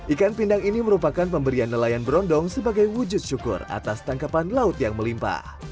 ikan pindang ini merupakan pemberian nelayan berondong sebagai wujud syukur atas tangkapan laut yang melimpah